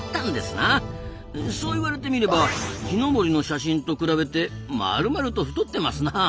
そう言われてみれば木登りの写真と比べて丸々と太ってますな。